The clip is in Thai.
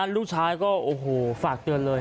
ลูกชายก็ฝากเตือนเลย